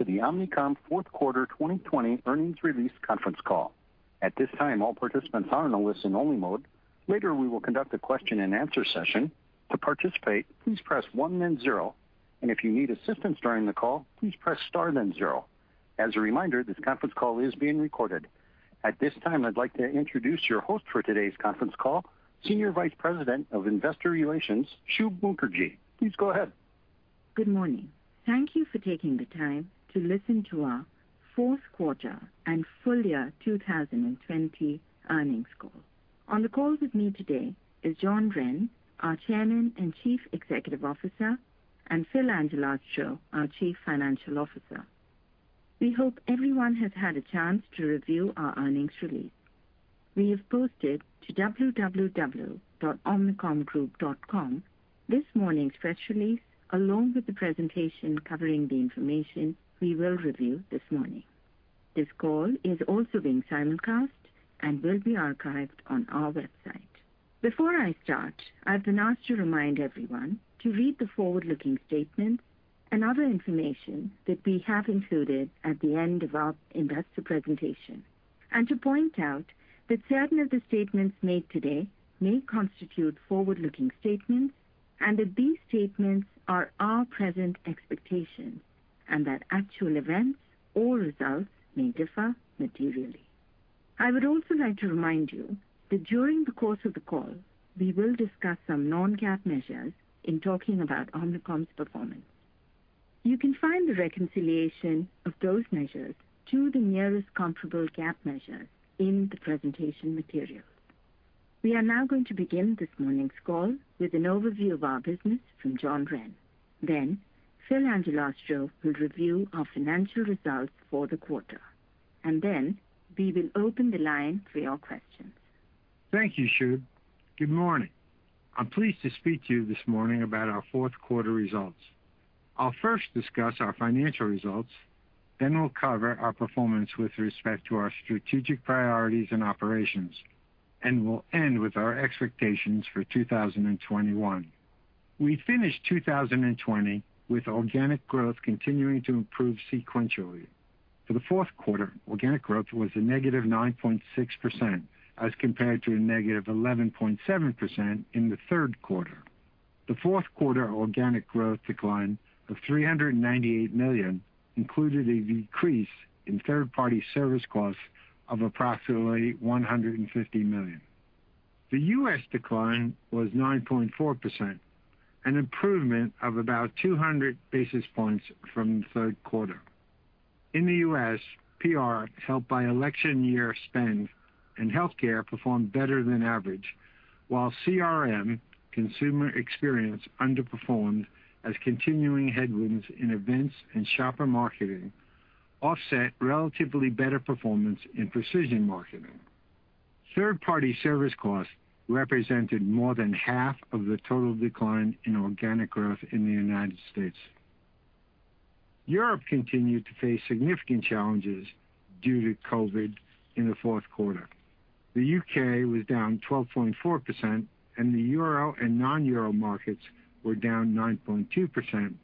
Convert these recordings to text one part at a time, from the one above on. To the Omnicom fourth quarter 2020 earnings release conference call. At this time, all participants are in a listen-only mode. Later, we will conduct a question-and-answer session. To participate, please press one then zero, and if you need assistance during the call, please press star then zero. As a reminder, this conference call is being recorded. At this time, I'd like to introduce your host for today's conference call, Senior Vice President of Investor Relations, Shub Mukherjee. Please go ahead. Good morning. Thank you for taking the time to listen to our fourth quarter and full year 2020 earnings call. On the call with me today is John Wren, our Chairman and Chief Executive Officer, and Phil Angelastro, our Chief Financial Officer. We hope everyone has had a chance to review our earnings release. We have posted to www.omnicomgroup.com this morning's press release, along with the presentation covering the information we will review this morning. This call is also being simulcast and will be archived on our website. Before I start, I've been asked to remind everyone to read the forward-looking statements and other information that we have included at the end of our investor presentation, and to point out that certain of the statements made today may constitute forward-looking statements, and that these statements are our present expectations, and that actual events or results may differ materially. I would also like to remind you that during the course of the call, we will discuss some non-GAAP measures in talking about Omnicom's performance. You can find the reconciliation of those measures to the nearest comparable GAAP measures in the presentation material. We are now going to begin this morning's call with an overview of our business from John Wren. Then, Phil Angelastro will review our financial results for the quarter, and then we will open the line for your questions. Thank you, Shub. Good morning. I'm pleased to speak to you this morning about our fourth quarter results. I'll first discuss our financial results, then we'll cover our performance with respect to our strategic priorities and operations, and we'll end with our expectations for 2021. We finished 2020 with organic growth continuing to improve sequentially. For the fourth quarter, organic growth was a -9.6% as compared to a -11.7% in the third quarter. The fourth quarter organic growth decline of $398 million included a decrease in third-party service costs of approximately $150 million. The U.S. decline was 9.4%, an improvement of about 200 basis points from the third quarter. In the U.S., PR, helped by election year spend and healthcare, performed better than average, while CRM, consumer experience, underperformed as continuing headwinds in events and shopper marketing offset relatively better performance in precision marketing. Third-party service costs represented more than half of the total decline in organic growth in the United States. Europe continued to face significant challenges due to COVID in the fourth quarter. The U.K. was down 12.4%, and the Euro and non-Euro markets were down 9.2%,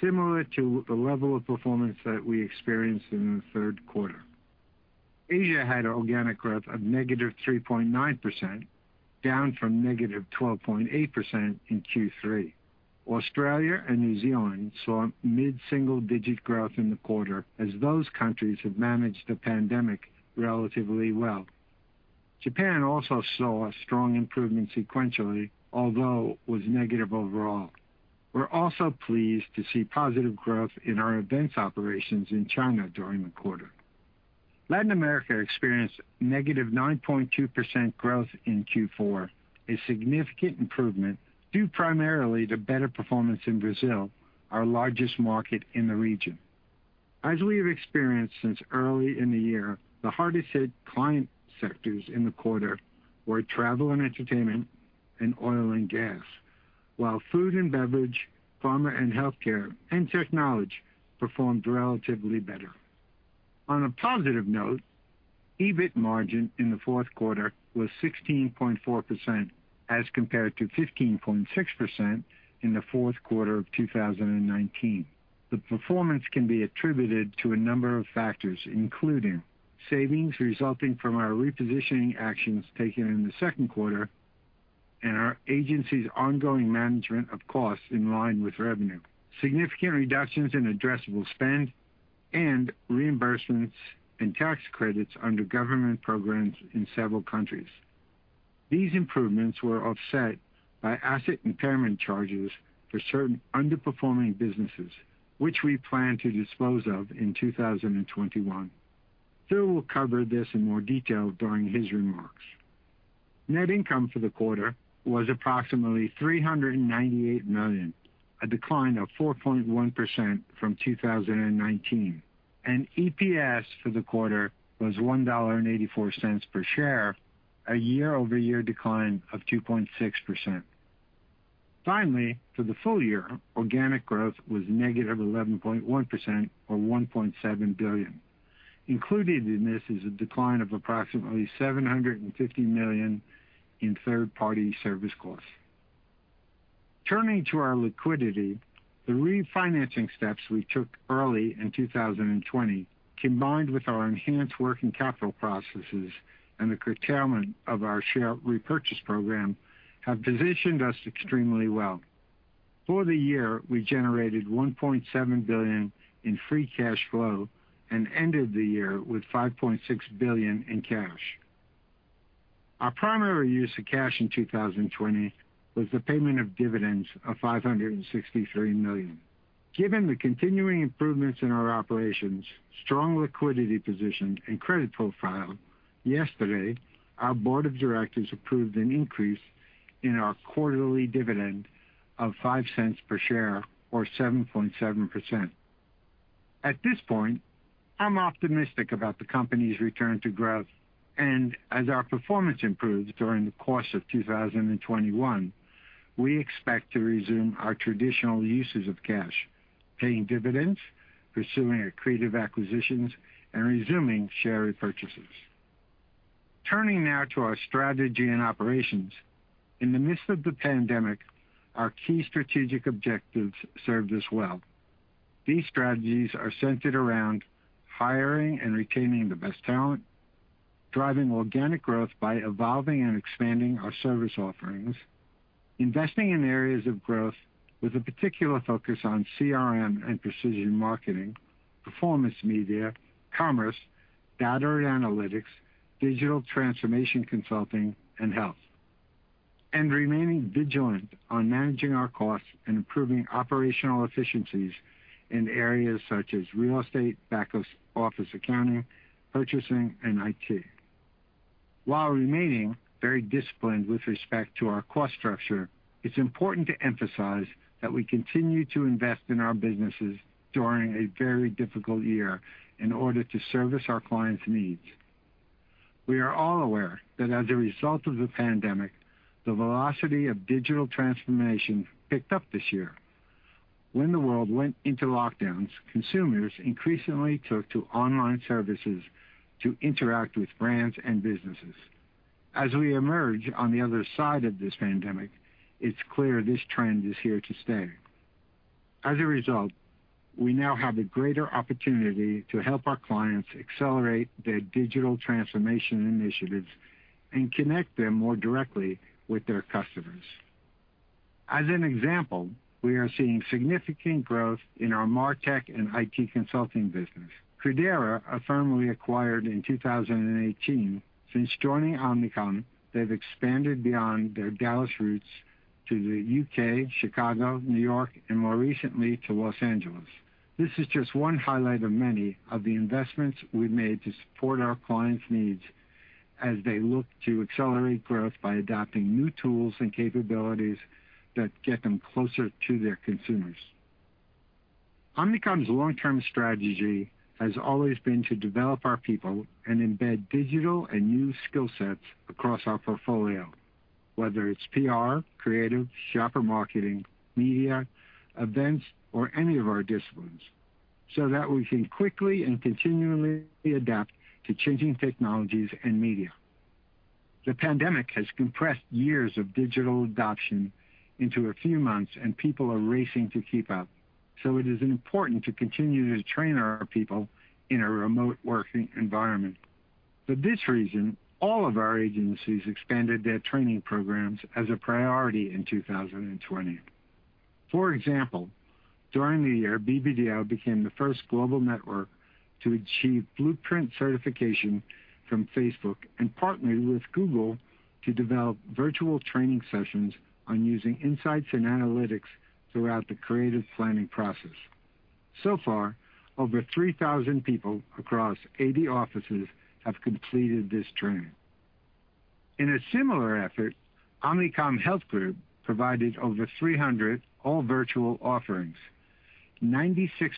similar to the level of performance that we experienced in the third quarter. Asia had organic growth of -3.9%, down from -12.8% in Q3. Australia and New Zealand saw mid-single-digit growth in the quarter as those countries have managed the pandemic relatively well. Japan also saw a strong improvement sequentially, although it was negative overall. We're also pleased to see positive growth in our events operations in China during the quarter. Latin America experienced -9.2% growth in Q4, a significant improvement due primarily to better performance in Brazil, our largest market in the region. As we have experienced since early in the year, the hardest-hit client sectors in the quarter were travel and entertainment and oil and gas, while food and beverage, pharma and healthcare, and technology performed relatively better. On a positive note, EBIT margin in the fourth quarter was 16.4% as compared to 15.6% in the fourth quarter of 2019. The performance can be attributed to a number of factors, including savings resulting from our repositioning actions taken in the second quarter and our agency's ongoing management of costs in line with revenue, significant reductions in addressable spend, and reimbursements and tax credits under government programs in several countries. These improvements were offset by asset impairment charges for certain underperforming businesses, which we plan to dispose of in 2021. Phil will cover this in more detail during his remarks. Net income for the quarter was approximately $398 million, a decline of 4.1% from 2019. EPS for the quarter was $1.84 per share, a year-over-year decline of 2.6%. Finally, for the full year, organic growth was -1.1%, or $1.7 billion. Included in this is a decline of approximately $750 million in third-party service costs. Turning to our liquidity, the refinancing steps we took early in 2020, combined with our enhanced working capital processes and the curtailment of our share repurchase program, have positioned us extremely well. For the year, we generated $1.7 billion in free cash flow and ended the year with $5.6 billion in cash. Our primary use of cash in 2020 was the payment of dividends of $563 million. Given the continuing improvements in our operations, strong liquidity position, and credit profile, yesterday, our board of directors approved an increase in our quarterly dividend of $0.05 per share, or 7.7%. At this point, I'm optimistic about the company's return to growth, and as our performance improves during the course of 2021, we expect to resume our traditional uses of cash, paying dividends, pursuing accretive acquisitions, and resuming share repurchases. Turning now to our strategy and operations, in the midst of the pandemic, our key strategic objectives served us well. These strategies are centered around hiring and retaining the best talent, driving organic growth by evolving and expanding our service offerings, investing in areas of growth with a particular focus on CRM and precision marketing, performance media, commerce, data and analytics, digital transformation consulting, and health, and remaining vigilant on managing our costs and improving operational efficiencies in areas such as real estate, back office accounting, purchasing, and IT. While remaining very disciplined with respect to our cost structure, it's important to emphasize that we continue to invest in our businesses during a very difficult year in order to service our clients' needs. We are all aware that as a result of the pandemic, the velocity of digital transformation picked up this year. When the world went into lockdowns, consumers increasingly took to online services to interact with brands and businesses. As we emerge on the other side of this pandemic, it's clear this trend is here to stay. As a result, we now have a greater opportunity to help our clients accelerate their digital transformation initiatives and connect them more directly with their customers. As an example, we are seeing significant growth in our MarTech and IT consulting business. Credera, a firm we acquired in 2018, since joining Omnicom, they've expanded beyond their Dallas roots to the U.K., Chicago, New York, and more recently to Los Angeles. This is just one highlight of many of the investments we've made to support our clients' needs as they look to accelerate growth by adopting new tools and capabilities that get them closer to their consumers. Omnicom's long-term strategy has always been to develop our people and embed digital and new skill sets across our portfolio, whether it's PR, creative, shopper marketing, media, events, or any of our disciplines, so that we can quickly and continually adapt to changing technologies and media. The pandemic has compressed years of digital adoption into a few months, and people are racing to keep up, so it is important to continue to train our people in a remote working environment. For this reason, all of our agencies expanded their training programs as a priority in 2020. For example, during the year, BBDO became the first global network to achieve Blueprint certification from Facebook and partnered with Google to develop virtual training sessions on using insights and analytics throughout the creative planning process. So far, over 3,000 people across 80 offices have completed this training. In a similar effort, Omnicom Health Group provided over 300 all-virtual offerings. 96%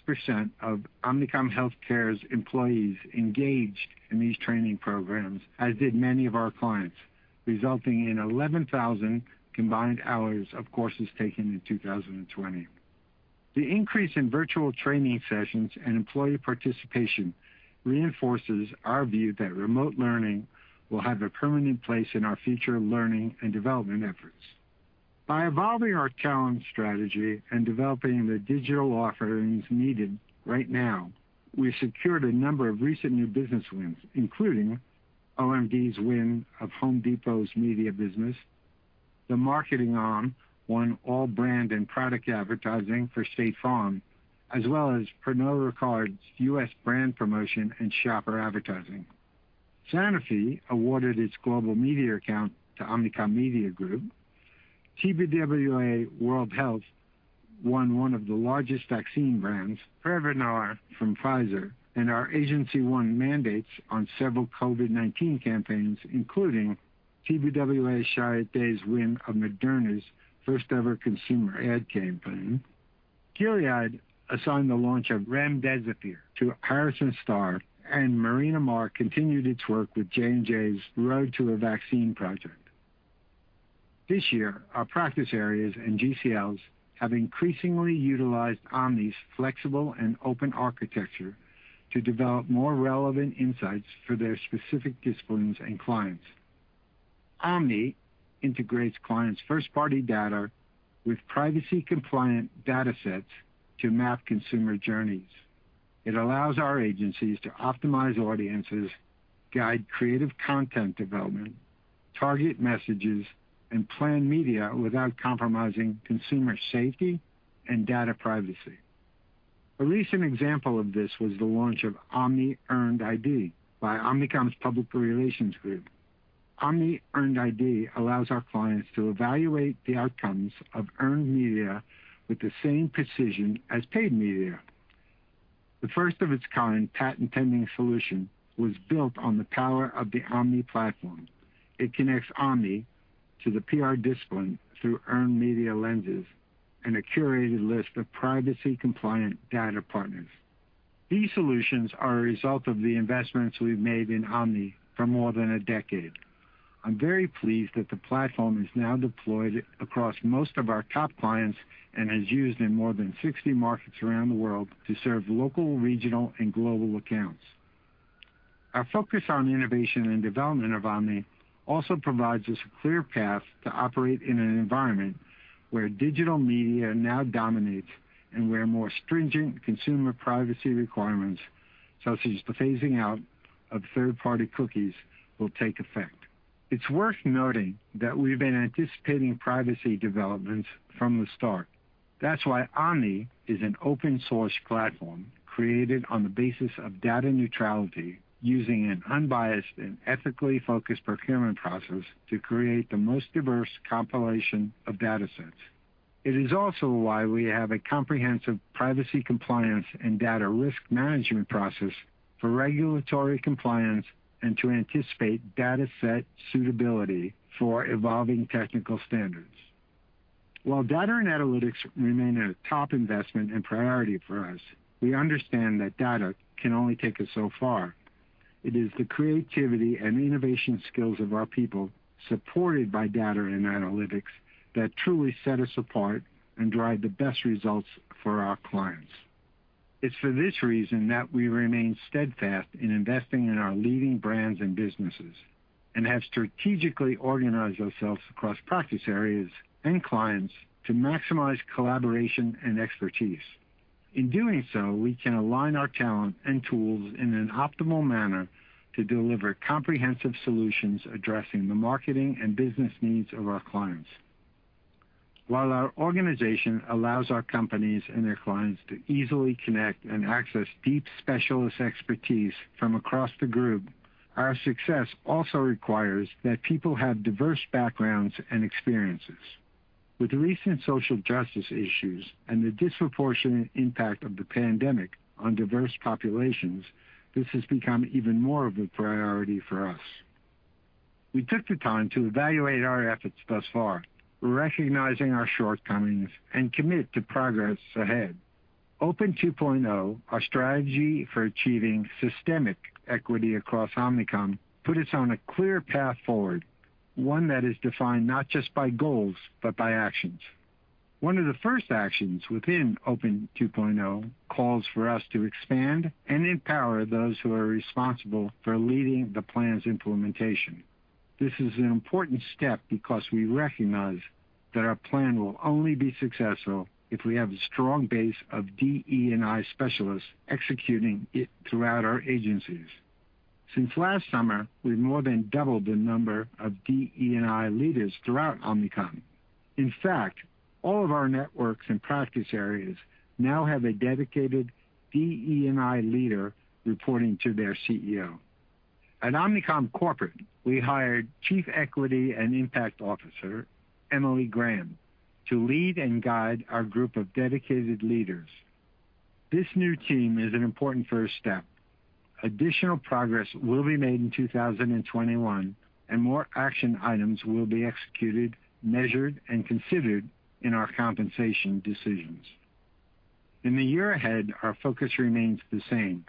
of Omnicom Healthcare's employees engaged in these training programs, as did many of our clients, resulting in 11,000 combined hours of courses taken in 2020. The increase in virtual training sessions and employee participation reinforces our view that remote learning will have a permanent place in our future learning and development efforts. By evolving our talent strategy and developing the digital offerings needed right now, we secured a number of recent new business wins, including OMD's win of Home Depot's media business, The Marketing Arm won all brand and product advertising for State Farm, as well as Pernod Ricard's U.S. brand promotion and shopper advertising. Sanofi awarded its global media account to Omnicom Media Group. TBWA\WorldHealth won one of the largest vaccine brands, Prevnar from Pfizer, and our agency won mandates on several COVID-19 campaigns, including TBWA\Chiat\Day's win of Moderna's first-ever consumer ad campaign. Gilead assigned the launch of Remdesivir to Harrison Star, and Marina Maher continued its work with J&J's Road to a Vaccine project. This year, our practice areas and GCLs have increasingly utilized Omni's flexible and open architecture to develop more relevant insights for their specific disciplines and clients. Omni integrates clients' first-party data with privacy-compliant datasets to map consumer journeys. It allows our agencies to optimize audiences, guide creative content development, target messages, and plan media without compromising consumer safety and data privacy. A recent example of this was the launch of OmniearnedID by Omnicom's Public Relations Group. OmniearnedID allows our clients to evaluate the outcomes of earned media with the same precision as paid media. The first-of-its-kind patent-pending solution was built on the power of the Omni platform. It connects Omni to the PR discipline through earned media lenses and a curated list of privacy-compliant data partners. These solutions are a result of the investments we've made in Omni for more than a decade. I'm very pleased that the platform is now deployed across most of our top clients and is used in more than 60 markets around the world to serve local, regional, and global accounts. Our focus on innovation and development of Omni also provides us a clear path to operate in an environment where digital media now dominates and where more stringent consumer privacy requirements, such as the phasing out of third-party cookies, will take effect. It's worth noting that we've been anticipating privacy developments from the start. That's why Omni is an open-source platform created on the basis of data neutrality using an unbiased and ethically focused procurement process to create the most diverse compilation of datasets. It is also why we have a comprehensive privacy compliance and data risk management process for regulatory compliance and to anticipate dataset suitability for evolving technical standards. While data and analytics remain a top investment and priority for us, we understand that data can only take us so far. It is the creativity and innovation skills of our people, supported by data and analytics, that truly set us apart and drive the best results for our clients. It's for this reason that we remain steadfast in investing in our leading brands and businesses and have strategically organized ourselves across practice areas and clients to maximize collaboration and expertise. In doing so, we can align our talent and tools in an optimal manner to deliver comprehensive solutions addressing the marketing and business needs of our clients. While our organization allows our companies and their clients to easily connect and access deep specialist expertise from across the group, our success also requires that people have diverse backgrounds and experiences. With recent social justice issues and the disproportionate impact of the pandemic on diverse populations, this has become even more of a priority for us. We took the time to evaluate our efforts thus far, recognizing our shortcomings, and commit to progress ahead. OPEN 2.0, our strategy for achieving systemic equity across Omnicom, put us on a clear path forward, one that is defined not just by goals but by actions. One of the first actions within OPEN 2.0 calls for us to expand and empower those who are responsible for leading the plan's implementation. This is an important step because we recognize that our plan will only be successful if we have a strong base of DE&I specialists executing it throughout our agencies. Since last summer, we've more than doubled the number of DE&I leaders throughout Omnicom. In fact, all of our networks and practice areas now have a dedicated DE&I leader reporting to their CEO. At Omnicom Corporate, we hired Chief Equity and Impact Officer, Emily Graham, to lead and guide our group of dedicated leaders. This new team is an important first step. Additional progress will be made in 2021, and more action items will be executed, measured, and considered in our compensation decisions. In the year ahead, our focus remains the same: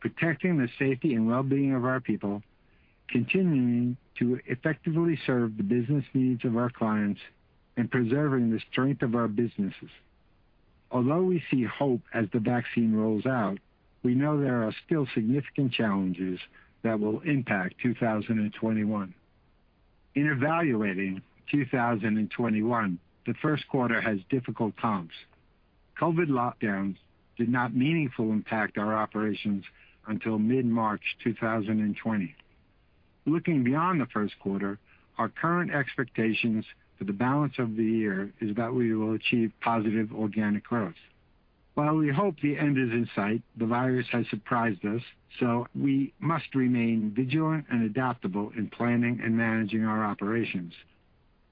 protecting the safety and well-being of our people, continuing to effectively serve the business needs of our clients, and preserving the strength of our businesses. Although we see hope as the vaccine rolls out, we know there are still significant challenges that will impact 2021. In evaluating 2021, the first quarter has difficult comps. COVID lockdowns did not meaningfully impact our operations until mid-March 2020. Looking beyond the first quarter, our current expectations for the balance of the year is that we will achieve positive organic growth. While we hope the end is in sight, the virus has surprised us, so we must remain vigilant and adaptable in planning and managing our operations,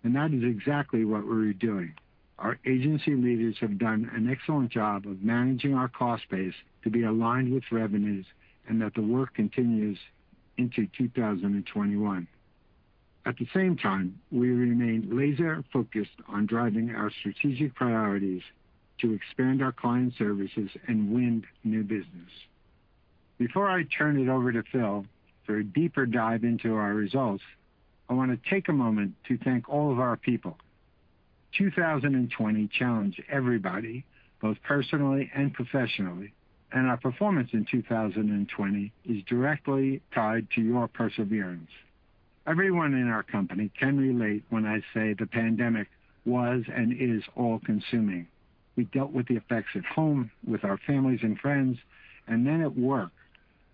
and that is exactly what we're doing. Our agency leaders have done an excellent job of managing our cost base to be aligned with revenues, and that the work continues into 2021. At the same time, we remain laser-focused on driving our strategic priorities to expand our client services and win new business. Before I turn it over to Phil for a deeper dive into our results, I want to take a moment to thank all of our people. 2020 challenged everybody, both personally and professionally, and our performance in 2020 is directly tied to your perseverance. Everyone in our company can relate when I say the pandemic was and is all-consuming. We dealt with the effects at home with our families and friends, and then at work,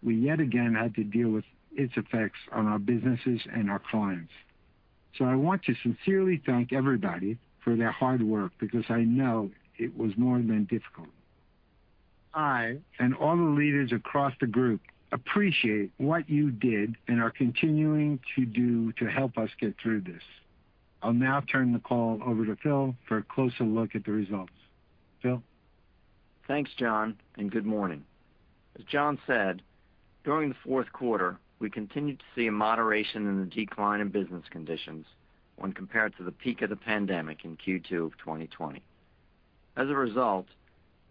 we yet again had to deal with its effects on our businesses and our clients. So I want to sincerely thank everybody for their hard work because I know it was more than difficult. I and all the leaders across the group appreciate what you did and are continuing to do to help us get through this. I'll now turn the call over to Phil for a closer look at the results. Phil. Thanks, John, and good morning. As John said, during the fourth quarter, we continued to see a moderation in the decline in business conditions when compared to the peak of the pandemic in Q2 of 2020. As a result,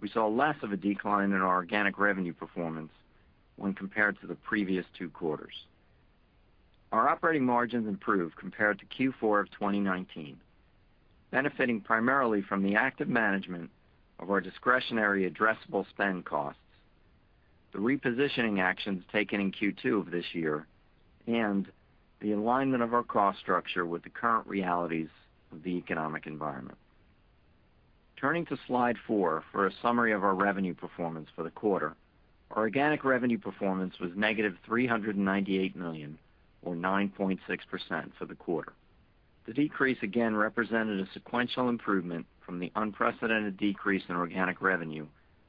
we saw less of a decline in our organic revenue performance when compared to the previous two quarters. Our operating margins improved compared to Q4 of 2019, benefiting primarily from the active management of our discretionary addressable spend costs, the repositioning actions taken in Q2 of this year, and the alignment of our cost structure with the current realities of the economic environment. Turning to slide four for a summary of our revenue performance for the quarter, our organic revenue performance was -$398 million, or 9.6%, for the quarter. The decrease again represented a sequential improvement from the unprecedented decrease in organic revenue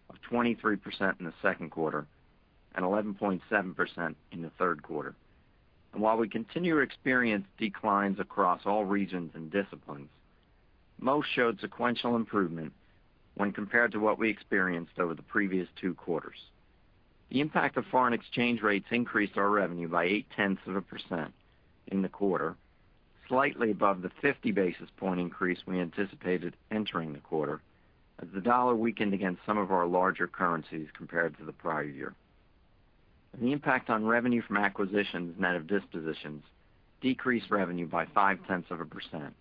of 23% in the second quarter and 11.7% in the third quarter. While we continue to experience declines across all regions and disciplines, most showed sequential improvement when compared to what we experienced over the previous two quarters. The impact of foreign exchange rates increased our revenue by 0.8% in the quarter, slightly above the 50 basis point increase we anticipated entering the quarter as the dollar weakened against some of our larger currencies compared to the prior year. The impact on revenue from acquisitions, divestitures and dispositions decreased revenue by 0.5%,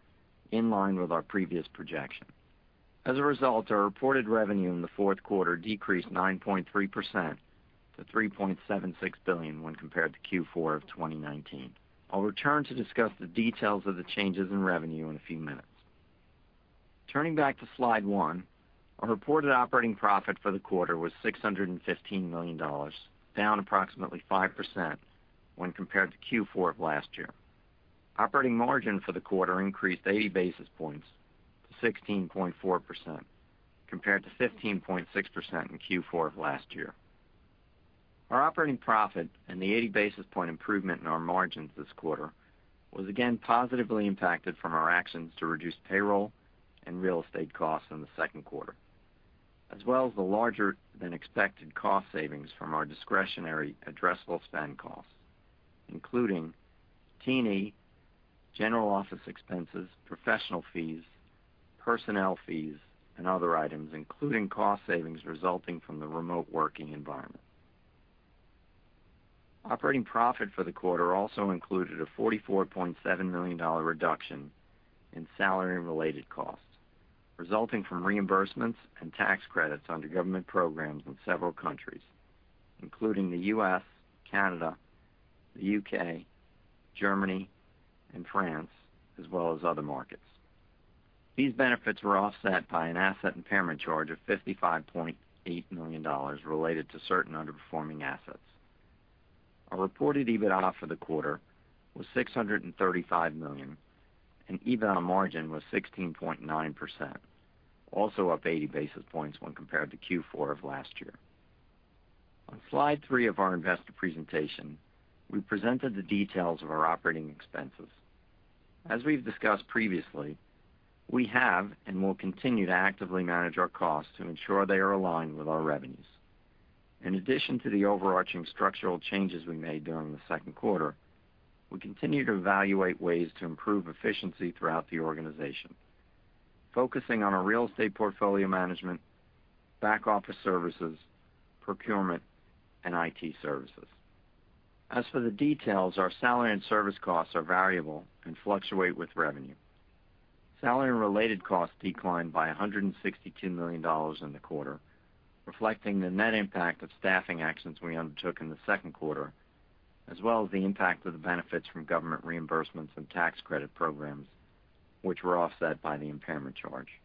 in line with our previous projection. As a result, our reported revenue in the fourth quarter decreased 9.3% to $3.76 billion when compared to Q4 of 2019. I'll return to discuss the details of the changes in revenue in a few minutes. Turning back to slide one, our reported operating profit for the quarter was $615 million, down approximately 5% when compared to Q4 of last year. Operating margin for the quarter increased 80 basis points to 16.4%, compared to 15.6% in Q4 of last year. Our operating profit and the 80 basis point improvement in our margins this quarter was again positively impacted from our actions to reduce payroll and real estate costs in the second quarter, as well as the larger-than-expected cost savings from our discretionary addressable spend costs, including T&E, general office expenses, professional fees, personnel fees, and other items, including cost savings resulting from the remote working environment. Operating profit for the quarter also included a $44.7 million reduction in salary-related costs, resulting from reimbursements and tax credits under government programs in several countries, including the U.S., Canada, the U.K., Germany, and France, as well as other markets. These benefits were offset by an asset impairment charge of $55.8 million related to certain underperforming assets. Our reported EBITDA for the quarter was $635 million, and EBITDA margin was 16.9%, also up 80 basis points when compared to Q4 of last year. On slide three of our investor presentation, we presented the details of our operating expenses. As we've discussed previously, we have and will continue to actively manage our costs to ensure they are aligned with our revenues. In addition to the overarching structural changes we made during the second quarter, we continue to evaluate ways to improve efficiency throughout the organization, focusing on our real estate portfolio management, back office services, procurement, and IT services. As for the details, our salary and service costs are variable and fluctuate with revenue. Salary-related costs declined by $162 million in the quarter, reflecting the net impact of staffing actions we undertook in the second quarter, as well as the impact of the benefits from government reimbursements and tax credit programs, which were offset by the impairment charge.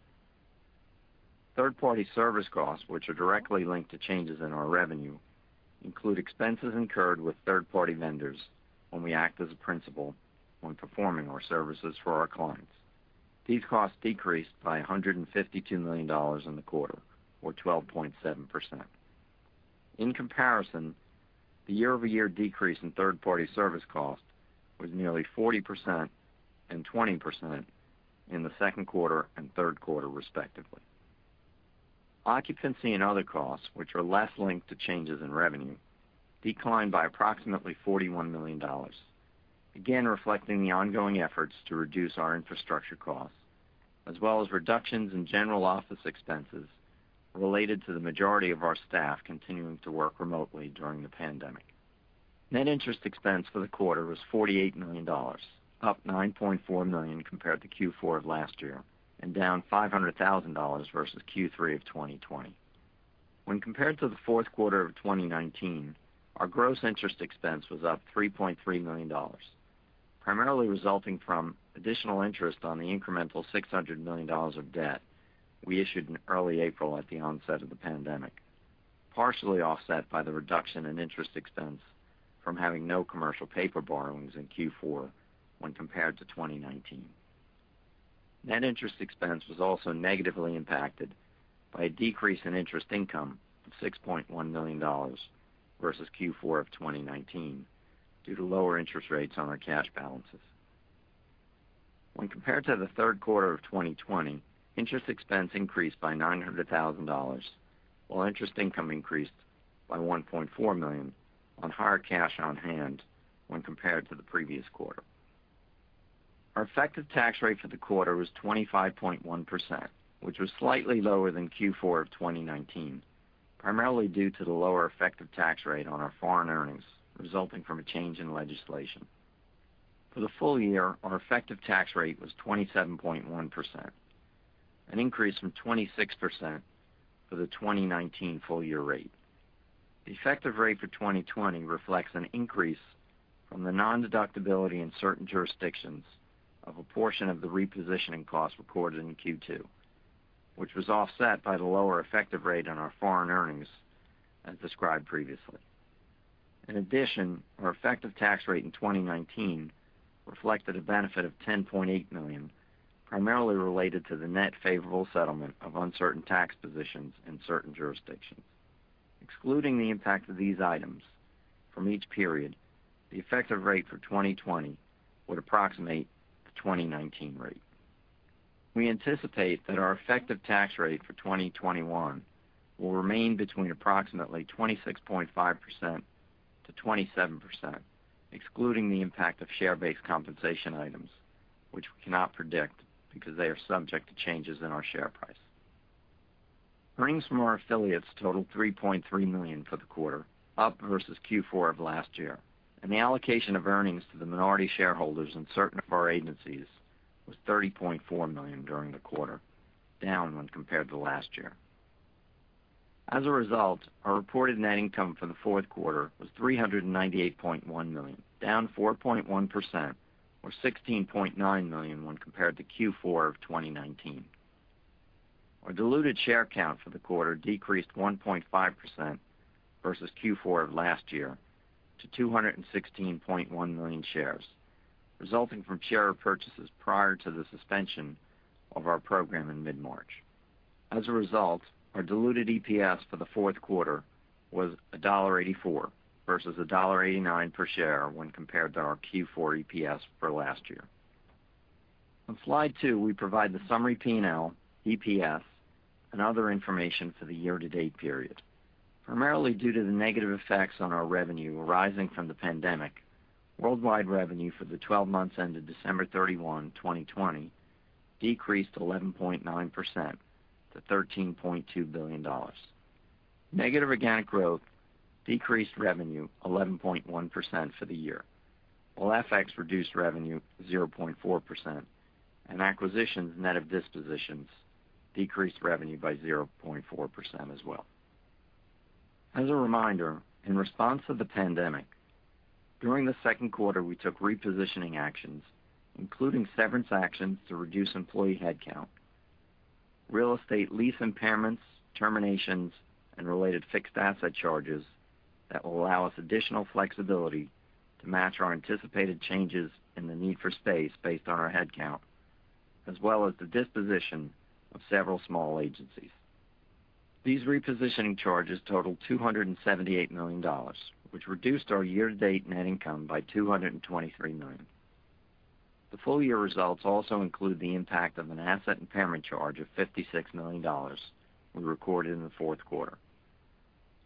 Third-party service costs, which are directly linked to changes in our revenue, include expenses incurred with third-party vendors when we act as a principal when performing our services for our clients. These costs decreased by $152 million in the quarter, or 12.7%. In comparison, the year-over-year decrease in third-party service costs was nearly 40% and 20% in the second quarter and third quarter, respectively. Occupancy and other costs, which are less linked to changes in revenue, declined by approximately $41 million, again reflecting the ongoing efforts to reduce our infrastructure costs, as well as reductions in general office expenses related to the majority of our staff continuing to work remotely during the pandemic. Net interest expense for the quarter was $48 million, up $9.4 million compared to Q4 of last year and down $500,000 versus Q3 of 2020. When compared to the fourth quarter of 2019, our gross interest expense was up $3.3 million, primarily resulting from additional interest on the incremental $600 million of debt we issued in early April at the onset of the pandemic, partially offset by the reduction in interest expense from having no commercial paper borrowings in Q4 when compared to 2019. Net interest expense was also negatively impacted by a decrease in interest income of $6.1 million versus Q4 of 2019 due to lower interest rates on our cash balances. When compared to the third quarter of 2020, interest expense increased by $900,000, while interest income increased by $1.4 million on higher cash on hand when compared to the previous quarter. Our effective tax rate for the quarter was 25.1%, which was slightly lower than Q4 of 2019, primarily due to the lower effective tax rate on our foreign earnings resulting from a change in legislation. For the full year, our effective tax rate was 27.1%, an increase from 26% for the 2019 full-year rate. The effective rate for 2020 reflects an increase from the non-deductibility in certain jurisdictions of a portion of the repositioning costs recorded in Q2, which was offset by the lower effective rate on our foreign earnings, as described previously. In addition, our effective tax rate in 2019 reflected a benefit of $10.8 million, primarily related to the net favorable settlement of uncertain tax positions in certain jurisdictions. Excluding the impact of these items from each period, the effective rate for 2020 would approximate the 2019 rate. We anticipate that our effective tax rate for 2021 will remain between approximately 26.5%-27%, excluding the impact of share-based compensation items, which we cannot predict because they are subject to changes in our share price. Earnings from our affiliates totaled $3.3 million for the quarter, up versus Q4 of last year. And the allocation of earnings to the minority shareholders in certain of our agencies was $30.4 million during the quarter, down when compared to last year. As a result, our reported net income for the fourth quarter was $398.1 million, down 4.1%, or $16.9 million when compared to Q4 of 2019. Our diluted share count for the quarter decreased 1.5% versus Q4 of last year to 216.1 million shares, resulting from share repurchases prior to the suspension of our program in mid-March. As a result, our diluted EPS for the fourth quarter was $1.84 versus $1.89 per share when compared to our Q4 EPS for last year. On slide two, we provide the summary P&L, EPS, and other information for the year-to-date period. Primarily due to the negative effects on our revenue arising from the pandemic, worldwide revenue for the 12 months ended December 31, 2020, decreased 11.9% to $13.2 billion. Negative organic growth decreased revenue 11.1% for the year, while FX reduced revenue 0.4%, and acquisitions, net of dispositions decreased revenue by 0.4% as well. As a reminder, in response to the pandemic, during the second quarter, we took repositioning actions, including severance actions to reduce employee headcount, real estate lease impairments, terminations, and related fixed asset charges that will allow us additional flexibility to match our anticipated changes in the need for space based on our headcount, as well as the disposition of several small agencies. These repositioning charges totaled $278 million, which reduced our year-to-date net income by $223 million. The full-year results also include the impact of an asset impairment charge of $56 million we recorded in the fourth quarter.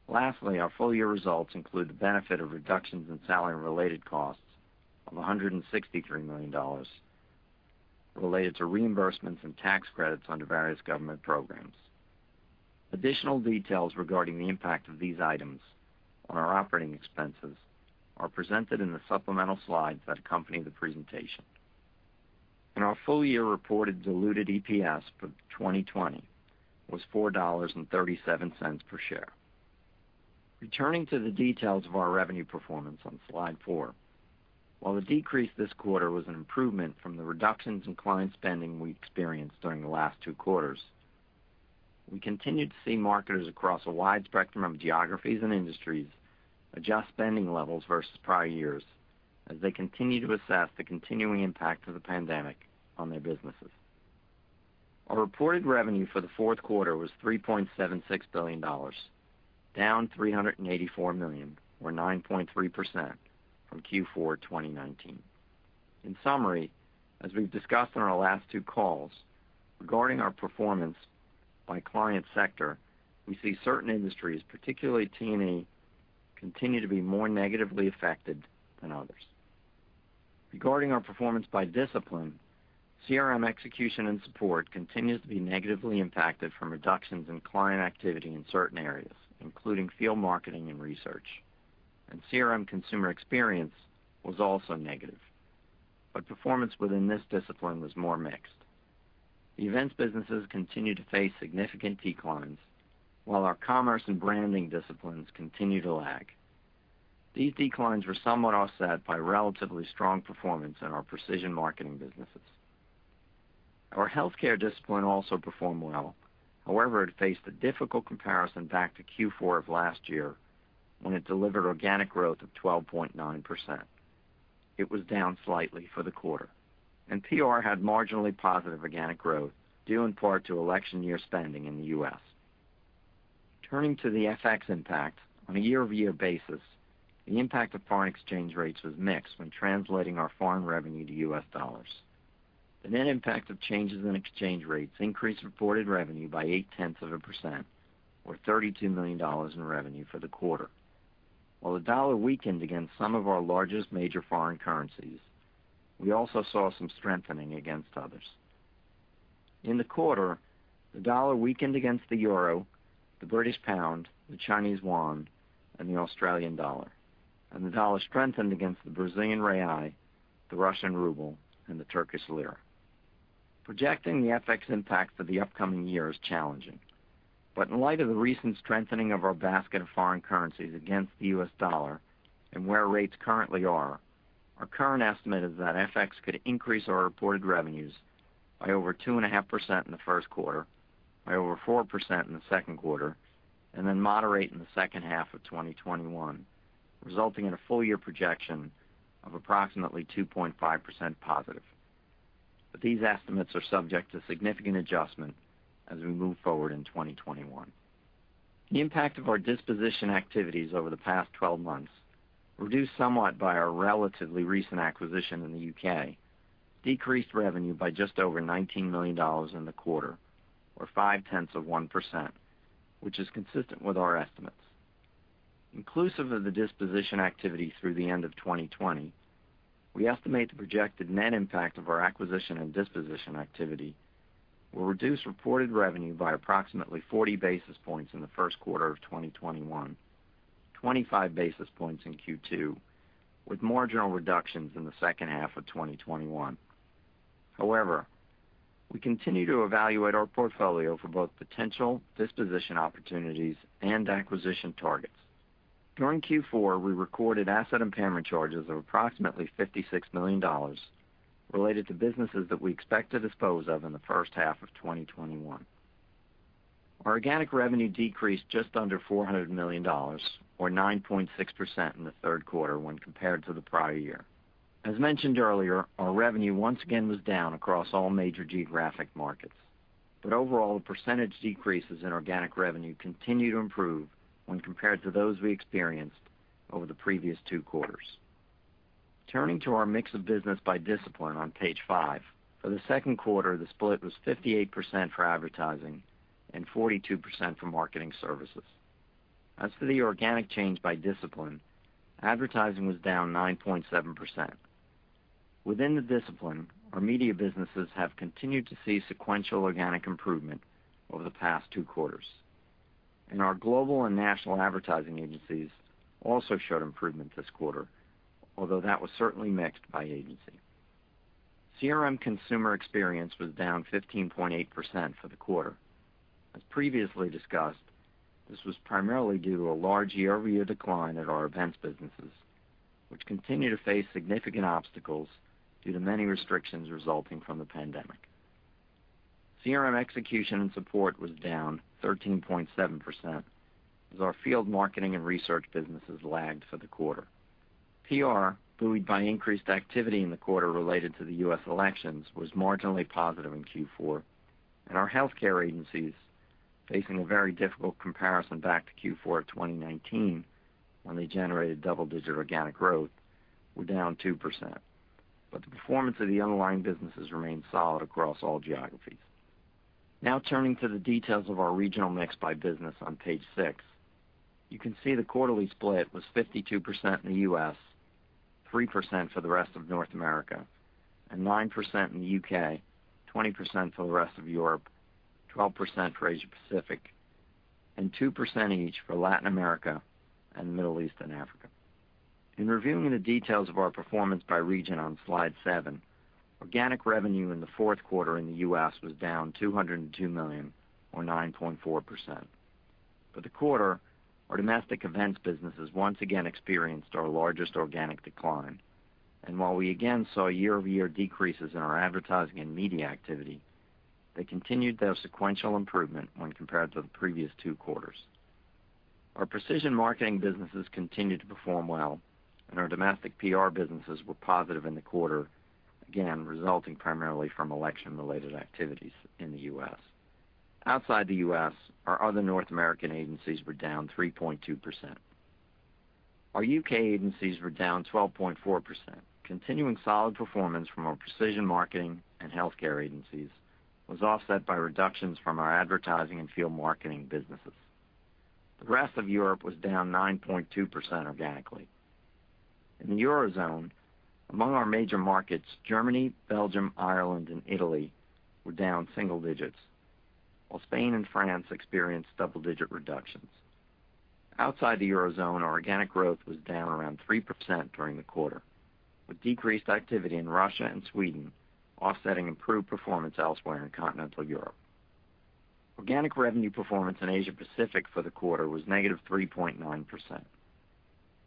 Lastly, our full-year results include the benefit of reductions in salary-related costs of $163 million related to reimbursements and tax credits under various government programs. Additional details regarding the impact of these items on our operating expenses are presented in the supplemental slides that accompany the presentation. Our full-year reported diluted EPS for 2020 was $4.37 per share. Returning to the details of our revenue performance on slide four, while the decrease this quarter was an improvement from the reductions in client spending we experienced during the last two quarters, we continue to see marketers across a wide spectrum of geographies and industries adjust spending levels versus prior years as they continue to assess the continuing impact of the pandemic on their businesses. Our reported revenue for the fourth quarter was $3.76 billion, down $384 million, or 9.3%, from Q4 of 2019. In summary, as we've discussed in our last two calls, regarding our performance by client sector, we see certain industries, particularly T&E, continue to be more negatively affected than others. Regarding our performance by discipline, CRM execution and support continues to be negatively impacted from reductions in client activity in certain areas, including field marketing and research. And CRM consumer experience was also negative, but performance within this discipline was more mixed. Events businesses continue to face significant declines, while our commerce and branding disciplines continue to lag. These declines were somewhat offset by relatively strong performance in our precision marketing businesses. Our healthcare discipline also performed well, however, it faced a difficult comparison back to Q4 of last year when it delivered organic growth of 12.9%. It was down slightly for the quarter. And PR had marginally positive organic growth, due in part to election-year spending in the US. Turning to the FX impact, on a year-over-year basis, the impact of foreign exchange rates was mixed when translating our foreign revenue to US dollars. The net impact of changes in exchange rates increased reported revenue by 0.8%, or $32 million in revenue for the quarter. While the dollar weakened against some of our largest major foreign currencies, we also saw some strengthening against others. In the quarter, the dollar weakened against the euro, the British pound, the Chinese yuan, and the Australian dollar. The dollar strengthened against the Brazilian real, the Russian ruble, and the Turkish lira. Projecting the FX impact for the upcoming year is challenging. But in light of the recent strengthening of our basket of foreign currencies against the U.S. dollar and where rates currently are, our current estimate is that FX could increase our reported revenues by over 2.5% in the first quarter, by over 4% in the second quarter, and then moderate in the second half of 2021, resulting in a full-year projection of approximately 2.5%+. But these estimates are subject to significant adjustment as we move forward in 2021. The impact of our disposition activities over the past 12 months reduced somewhat by our relatively recent acquisition in the U.K., decreased revenue by just over $19 million in the quarter, or 0.5%, which is consistent with our estimates. Inclusive of the disposition activity through the end of 2020, we estimate the projected net impact of our acquisition and disposition activity will reduce reported revenue by approximately 40 basis points in the first quarter of 2021, 25 basis points in Q2, with marginal reductions in the second half of 2021. However, we continue to evaluate our portfolio for both potential disposition opportunities and acquisition targets. During Q4, we recorded asset impairment charges of approximately $56 million related to businesses that we expect to dispose of in the first half of 2021. Our organic revenue decreased just under $400 million, or 9.6%, in the third quarter when compared to the prior year. As mentioned earlier, our revenue once again was down across all major geographic markets. But overall, the percentage decreases in organic revenue continue to improve when compared to those we experienced over the previous two quarters. Turning to our mix of business by discipline on page five, for the second quarter, the split was 58% for advertising and 42% for marketing services. As for the organic change by discipline, advertising was down 9.7%. Within the discipline, our media businesses have continued to see sequential organic improvement over the past two quarters. And our global and national advertising agencies also showed improvement this quarter, although that was certainly mixed by agency. CRM consumer experience was down 15.8% for the quarter. As previously discussed, this was primarily due to a large year-over-year decline in our events businesses, which continue to face significant obstacles due to many restrictions resulting from the pandemic. CRM execution and support was down 13.7%, as our field marketing and research businesses lagged for the quarter. PR, buoyed by increased activity in the quarter related to the U.S. elections, was marginally positive in Q4. Our healthcare agencies, facing a very difficult comparison back to Q4 of 2019 when they generated double-digit organic growth, were down 2%. The performance of the underlying businesses remained solid across all geographies. Now turning to the details of our regional mix by business on page six, you can see the quarterly split was 52% in the U.S., 3% for the rest of North America, and 9% in the U.K., 20% for the rest of Europe, 12% for Asia-Pacific, and 2% each for Latin America and the Middle East and Africa. In reviewing the details of our performance by region on slide seven, organic revenue in the fourth quarter in the U.S. was down $202 million, or 9.4%. For the quarter, our domestic events businesses once again experienced our largest organic decline. And while we again saw year-over-year decreases in our advertising and media activity, they continued their sequential improvement when compared to the previous two quarters. Our precision marketing businesses continued to perform well, and our domestic PR businesses were positive in the quarter, again resulting primarily from election-related activities in the U.S. Outside the U.S., our other North American agencies were down 3.2%. Our U.K. agencies were down 12.4%. Continuing solid performance from our precision marketing and healthcare agencies was offset by reductions from our advertising and field marketing businesses. The rest of Europe was down 9.2% organically. In the Eurozone, among our major markets, Germany, Belgium, Ireland, and Italy were down single digits, while Spain and France experienced double-digit reductions. Outside the Eurozone, our organic growth was down around 3% during the quarter, with decreased activity in Russia and Sweden, offsetting improved performance elsewhere in continental Europe. Organic revenue performance in Asia-Pacific for the quarter was -3.9%.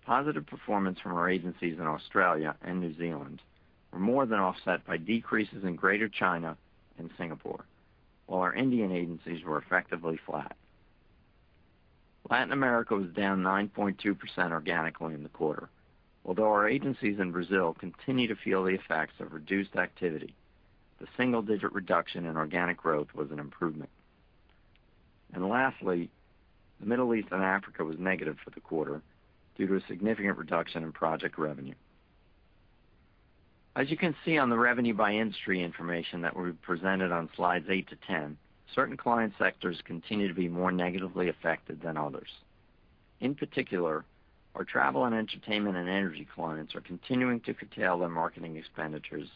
Positive performance from our agencies in Australia and New Zealand were more than offset by decreases in Greater China and Singapore, while our Indian agencies were effectively flat. Latin America was down 9.2% organically in the quarter. Although our agencies in Brazil continue to feel the effects of reduced activity, the single-digit reduction in organic growth was an improvement. Lastly, the Middle East and Africa was negative for the quarter due to a significant reduction in project revenue. As you can see on the revenue by industry information that we presented on slides 8 to 10, certain client sectors continue to be more negatively affected than others. In particular, our travel and entertainment and energy clients are continuing to curtail their marketing expenditures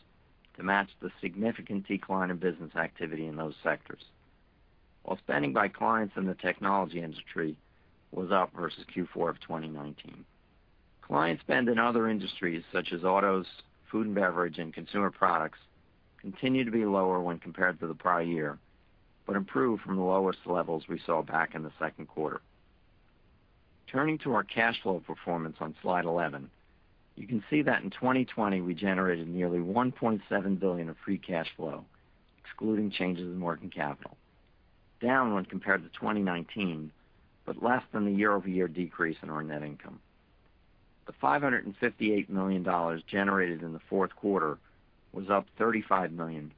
to match the significant decline in business activity in those sectors, while spending by clients in the technology industry was up versus Q4 of 2019. Client spend in other industries, such as autos, food and beverage, and consumer products, continued to be lower when compared to the prior year but improved from the lowest levels we saw back in the second quarter. Turning to our cash flow performance on slide 11, you can see that in 2020, we generated nearly $1.7 billion of free cash flow, excluding changes in working capital, down when compared to 2019 but less than the year-over-year decrease in our net income. The $558 million generated in the fourth quarter was up $35 million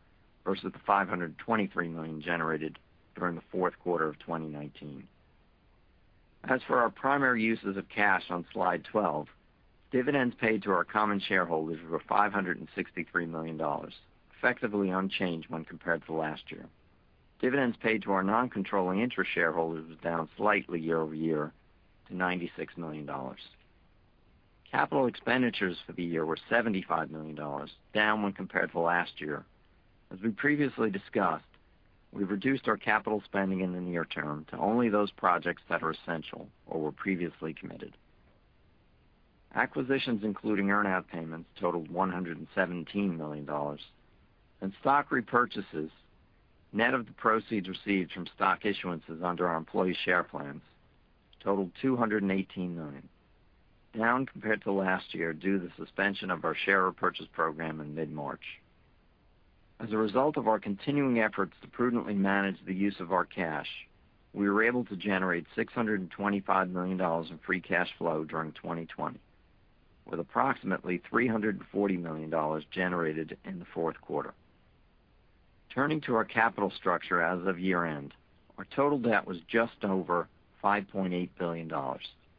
versus the $523 million generated during the fourth quarter of 2019. As for our primary uses of cash on slide 12, dividends paid to our common shareholders were $563 million, effectively unchanged when compared to last year. Dividends paid to our non-controlling interest shareholders were down slightly year-over-year to $96 million. Capital expenditures for the year were $75 million, down when compared to last year. As we previously discussed, we've reduced our capital spending in the near term to only those projects that are essential or were previously committed. Acquisitions, including earn-out payments, totaled $117 million, and stock repurchases, net of the proceeds received from stock issuances under our employee share plans, totaled $218 million, down compared to last year due to the suspension of our share repurchase program in mid-March. As a result of our continuing efforts to prudently manage the use of our cash, we were able to generate $625 million in free cash flow during 2020, with approximately $340 million generated in the fourth quarter. Turning to our capital structure as of year-end, our total debt was just over $5.8 billion,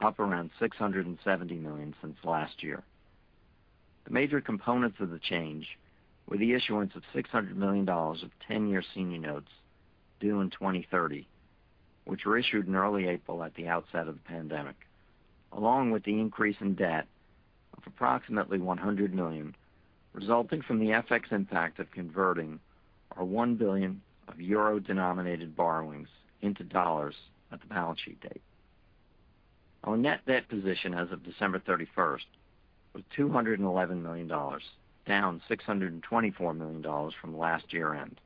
up around $670 million since last year. The major components of the change were the issuance of $600 million of 10-year senior notes due in 2030, which were issued in early April at the outset of the pandemic, along with the increase in debt of approximately $100 million, resulting from the FX impact of converting our 1 billion of euro-denominated borrowings into dollars at the balance sheet date. Our net debt position as of December 31st was $211 million, down $624 million from last year-end.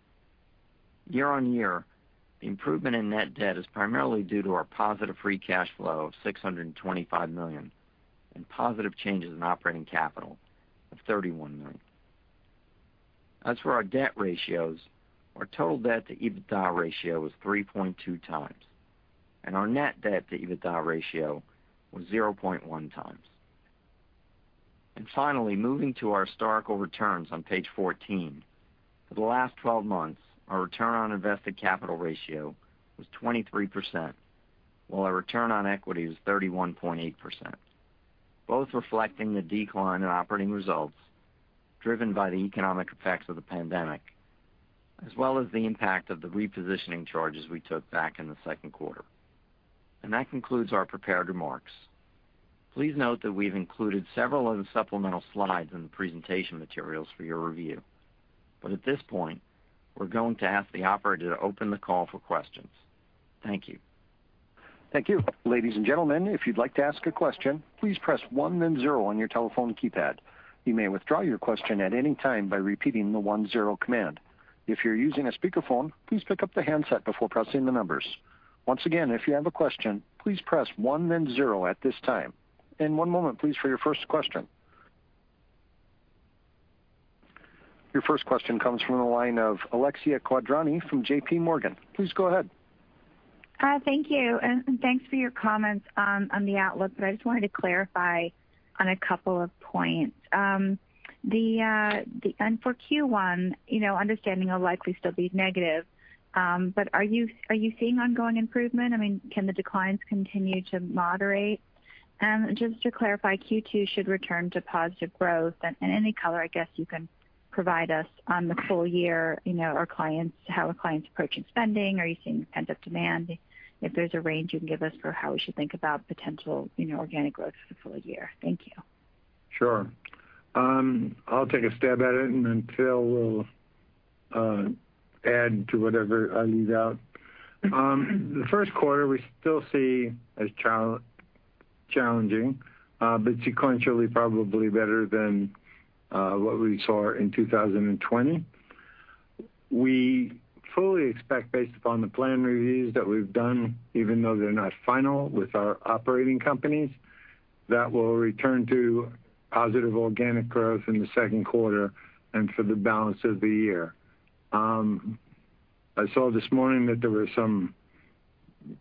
Year-on-year, the improvement in net debt is primarily due to our positive free cash flow of $625 million and positive changes in operating capital of $31 million. As for our debt ratios, our total debt-to-EBITDA ratio was 3.2x, and our net debt-to-EBITDA ratio was 0.1x. And finally, moving to our historical returns on page 14, for the last 12 months, our return on invested capital ratio was 23%, while our return on equity was 31.8%, both reflecting the decline in operating results driven by the economic effects of the pandemic, as well as the impact of the repositioning charges we took back in the second quarter. And that concludes our prepared remarks. Please note that we've included several other supplemental slides in the presentation materials for your review. But at this point, we're going to ask the operator to open the call for questions. Thank you. Thank you. Ladies and gentlemen, if you'd like to ask a question, please press one, then zero on your telephone keypad. You may withdraw your question at any time by repeating the one, zero command. If you're using a speakerphone, please pick up the handset before pressing the numbers. Once again, if you have a question, please press one, then zero at this time. And one moment, please, for your first question. Your first question comes from the line of Alexia Quadrani from JPMorgan. Please go ahead. Thank you and thanks for your comments on the outlook, but I just wanted to clarify on a couple of points. The Q1 understanding will likely still be negative, but are you seeing ongoing improvement? I mean, can the declines continue to moderate? Just to clarify, Q2 should return to positive growth. Any color, I guess, you can provide us on the full year, our clients, how our clients are approaching spending, are you seeing the kinds of demand? If there's a range, you can give us for how we should think about potential organic growth for the full year. Thank you. Sure. I'll take a stab at it, and then Phil will add to whatever I leave out. The first quarter, we still see as challenging, but sequentially probably better than what we saw in 2020. We fully expect, based upon the plan reviews that we've done, even though they're not final with our operating companies, that we'll return to positive organic growth in the second quarter and for the balance of the year. I saw this morning that there was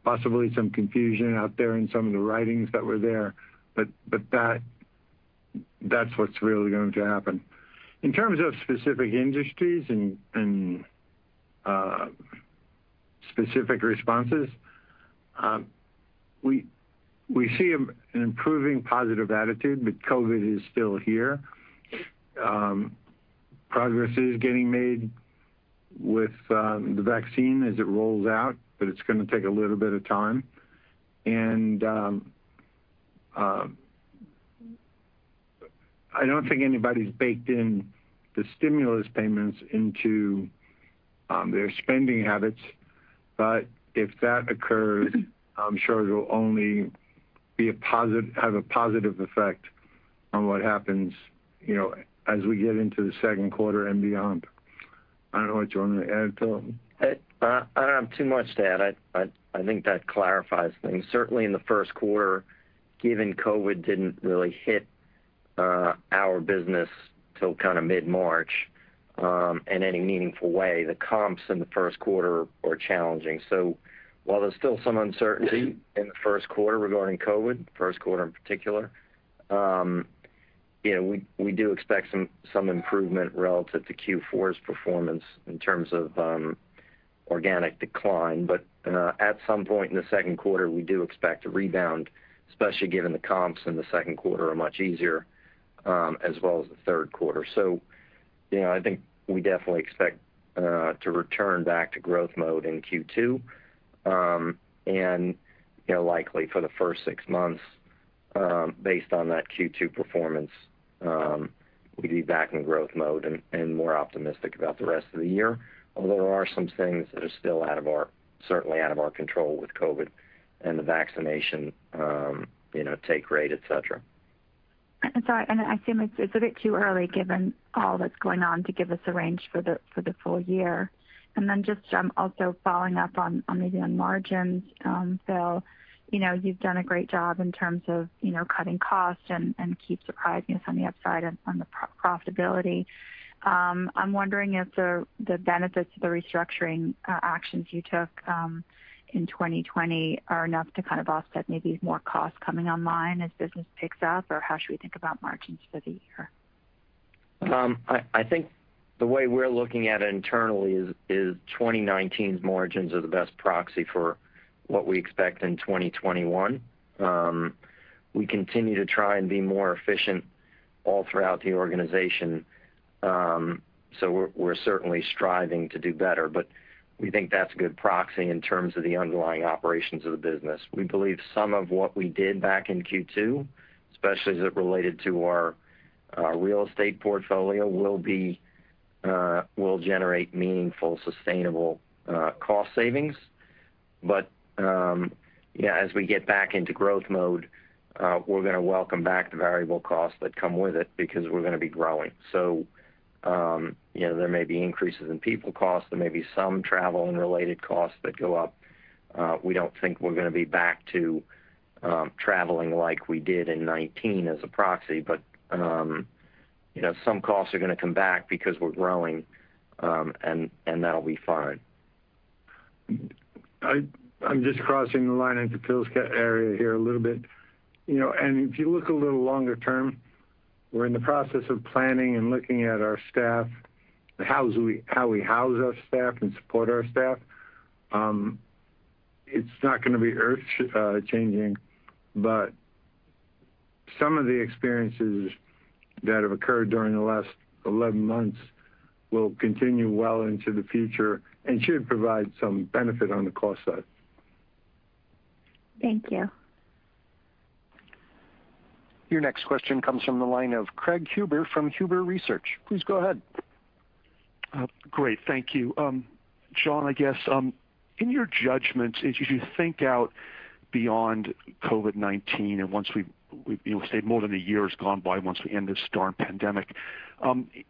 possibly some confusion out there in some of the writings that were there, but that's what's really going to happen. In terms of specific industries and specific responses, we see an improving positive attitude, but COVID is still here. Progress is getting made with the vaccine as it rolls out, but it's going to take a little bit of time. And I don't think anybody's baked in the stimulus payments into their spending habits, but if that occurs, I'm sure it'll only have a positive effect on what happens as we get into the second quarter and beyond. I don't know what you wanted to add, Phil. I don't have too much to add. I think that clarifies things. Certainly, in the first quarter, given COVID didn't really hit our business till kind of mid-March in any meaningful way, the comps in the first quarter were challenging. So while there's still some uncertainty in the first quarter regarding COVID, first quarter in particular, we do expect some improvement relative to Q4's performance in terms of organic decline. But at some point in the second quarter, we do expect a rebound, especially given the comps in the second quarter are much easier, as well as the third quarter. So I think we definitely expect to return back to growth mode in Q2 and likely for the first six months, based on that Q2 performance, we'd be back in growth mode and more optimistic about the rest of the year. Although there are some things that are still certainly out of our control with COVID and the vaccination take rate, etc. Sorry, and I assume it's a bit too early, given all that's going on, to give us a range for the full year. Then, just also following up, maybe, on margins, Phil. You've done a great job in terms of cutting costs and keep surprising us on the upside on the profitability. I'm wondering if the benefits of the restructuring actions you took in 2020 are enough to kind of offset maybe more costs coming online as business picks up, or how should we think about margins for the year? I think the way we're looking at it internally is 2019's margins are the best proxy for what we expect in 2021. We continue to try and be more efficient all throughout the organization, so we're certainly striving to do better, but we think that's a good proxy in terms of the underlying operations of the business. We believe some of what we did back in Q2, especially as it related to our real estate portfolio, will generate meaningful, sustainable cost savings. But as we get back into growth mode, we're going to welcome back the variable costs that come with it because we're going to be growing. So there may be increases in people costs. There may be some travel and related costs that go up. We don't think we're going to be back to traveling like we did in 2019 as a proxy, but some costs are going to come back because we're growing, and that'll be fine. I'm just crossing the line into Phil's area here a little bit, and if you look a little longer term, we're in the process of planning and looking at our staff, how we house our staff and support our staff. It's not going to be earth-changing, but some of the experiences that have occurred during the last 11 months will continue well into the future and should provide some benefit on the cost side. Thank you. Your next question comes from the line of Craig Huber from Huber Research. Please go ahead. Great. Thank you. John, I guess, in your judgment, as you think out beyond COVID-19 and once we've stayed more than a year has gone by, once we end this darn pandemic,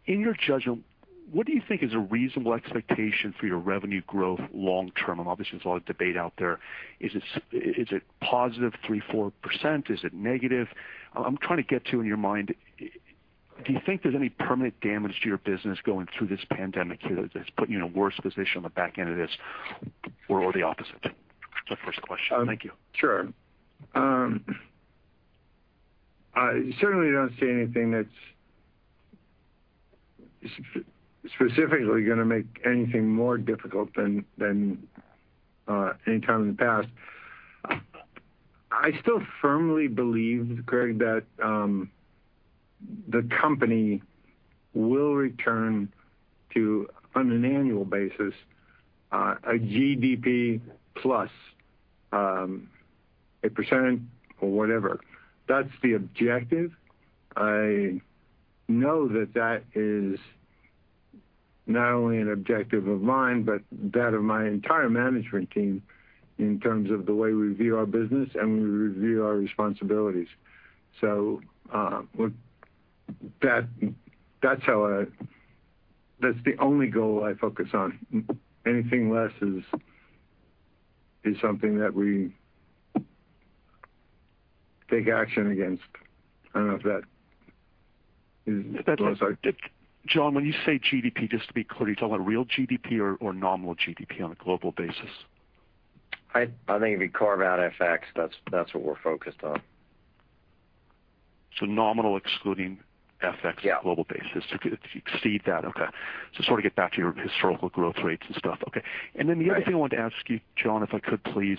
in your judgment, what do you think is a reasonable expectation for your revenue growth long term? And obviously, there's a lot of debate out there. Is it +3% to +4%? Is it negative? I'm trying to get to, in your mind, do you think there's any permanent damage to your business going through this pandemic here that's putting you in a worse position on the back end of this or the opposite? That's my first question. Thank you. Sure. I certainly don't see anything that's specifically going to make anything more difficult than any time in the past. I still firmly believe, Craig, that the company will return to, on an annual basis, a GDP plus 1%. That's the objective. I know that that is not only an objective of mine but that of my entire management team in terms of the way we view our business and we review our responsibilities. So that's the only goal I focus on. Anything less is something that we take action against. I don't know if that is. John, when you say GDP, just to be clear, are you talking about real GDP or nominal GDP on a global basis? I think if you carve out FX, that's what we're focused on. So nominal excluding FX on a global basis. Yeah. To exceed that. Okay, so sort of get back to your historical growth rates and stuff. Okay, and then the other thing I wanted to ask you, John, if I could, please,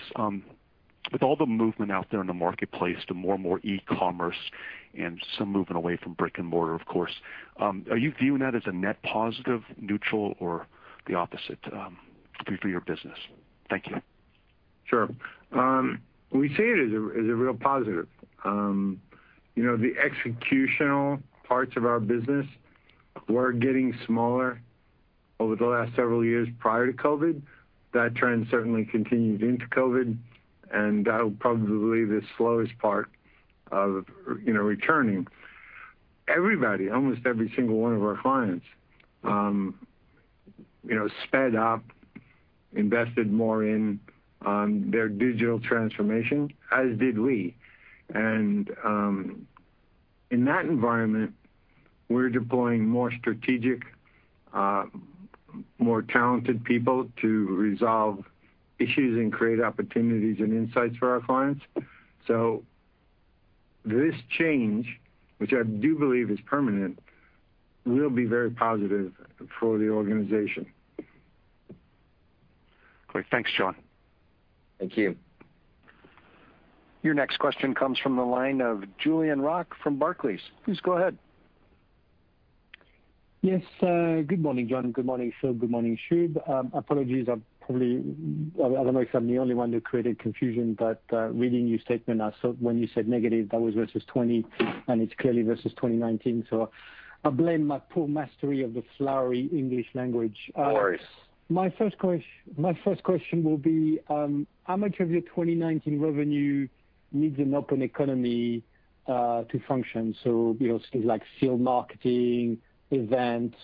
with all the movement out there in the marketplace, the more and more e-commerce and some movement away from brick and mortar, of course, are you viewing that as a net positive, neutral, or the opposite for your business? Thank you. Sure. We see it as a real positive. The executional parts of our business were getting smaller over the last several years prior to COVID. That trend certainly continued into COVID, and that will probably be the slowest part of returning. Everybody, almost every single one of our clients, sped up, invested more in their digital transformation, as did we. And in that environment, we're deploying more strategic, more talented people to resolve issues and create opportunities and insights for our clients. So this change, which I do believe is permanent, will be very positive for the organization. Great. Thanks, John. Thank you. Your next question comes from the line of Julien Roch from Barclays. Please go ahead. Yes. Good morning, John. Good morning, Phil. Good morning, Shub. Apologies, I don't know if I'm the only one who created confusion, but reading your statement, when you said negative, that was versus 2020, and it's clearly versus 2019. So I blame my poor mastery of the flowery English language. No worries. My first question will be, how much of your 2019 revenue needs an open economy to function? So things like field marketing, events,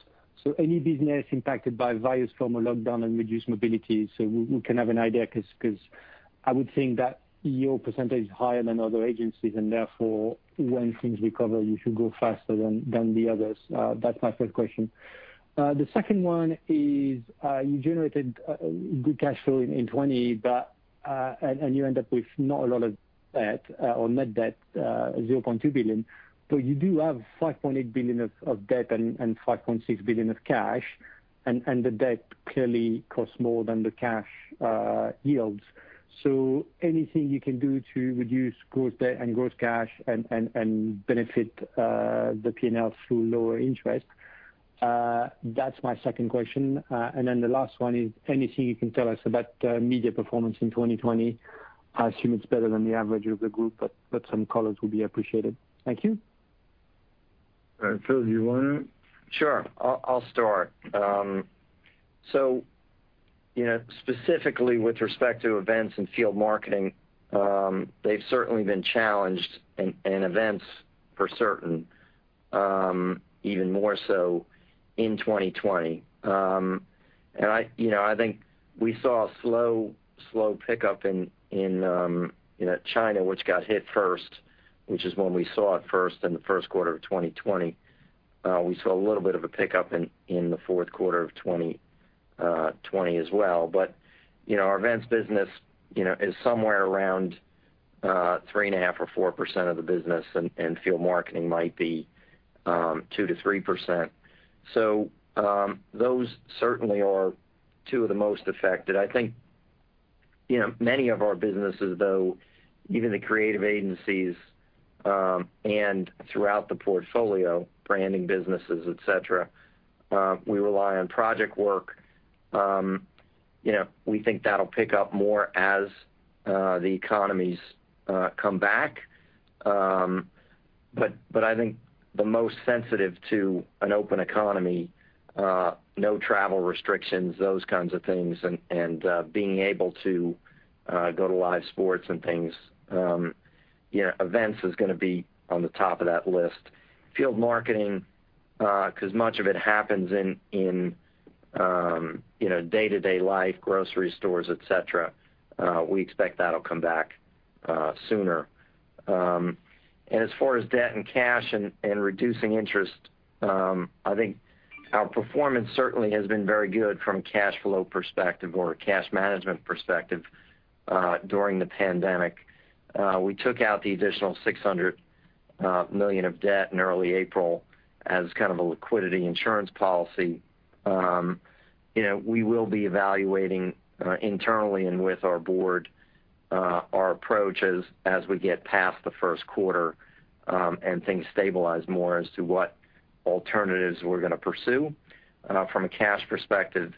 so any business impacted by virus from a lockdown and reduced mobility. So we can have an idea because I would think that your percentage is higher than other agencies, and therefore, when things recover, you should go faster than the others. That's my first question. The second one is you generated good cash flow in 2020, and you end up with not a lot of debt or net debt, $0.2 billion. But you do have $5.8 billion of debt and $5.6 billion of cash, and the debt clearly costs more than the cash yields. So anything you can do to reduce gross debt and gross cash and benefit the P&L through lower interest? That's my second question. Then the last one is, anything you can tell us about media performance in 2020? I assume it's better than the average of the group, but some colors would be appreciated. Thank you. Phil, do you want to? Sure. I'll start. So specifically with respect to events and field marketing, they've certainly been challenged in events for certain, even more so in 2020. And I think we saw a slow, slow pickup in China, which got hit first, which is when we saw it first in the first quarter of 2020. We saw a little bit of a pickup in the fourth quarter of 2020 as well. But our events business is somewhere around 3.5% or 4% of the business, and field marketing might be 2%-3%. So those certainly are two of the most affected. I think many of our businesses, though, even the creative agencies and throughout the portfolio, branding businesses, etc., we rely on project work. We think that'll pick up more as the economies come back. But I think the most sensitive to an open economy, no travel restrictions, those kinds of things, and being able to go to live sports and things, events is going to be on the top of that list. Field marketing, because much of it happens in day-to-day life, grocery stores, etc., we expect that'll come back sooner. And as far as debt and cash and reducing interest, I think our performance certainly has been very good from a cash flow perspective or a cash management perspective during the pandemic. We took out the additional $600 million of debt in early April as kind of a liquidity insurance policy. We will be evaluating internally and with our Board our approach as we get past the first quarter and things stabilize more as to what alternatives we're going to pursue from a cash perspective.